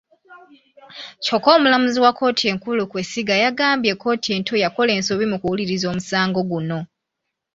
Kyokka omulamuzi wa kkooti enkulu Kwesiga yagambye kkooti ento yakola ensobi mu kuwuliriza omusango guno.